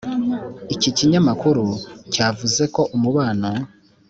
iki kinyamakuru cyavuze ko umubano